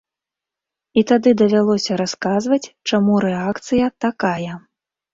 І тады давялося расказваць, чаму рэакцыя такая.